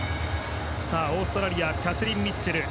オーストラリアキャスリン・ミッチェル。